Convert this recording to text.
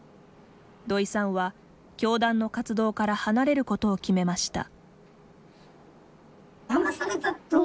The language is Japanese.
土井さんは、教団の活動から離れることを決めました。